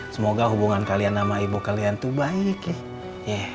semoga hubungan kalian sama ibu kalian tuh baik ya